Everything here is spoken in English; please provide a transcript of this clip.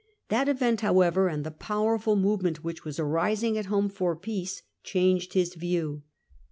That event how ever, and the powerful movement which was arising at home for peace, changed his view.